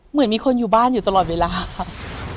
เหมือนมีคนอยู่บ้านอยู่ตลอดเวลาครับ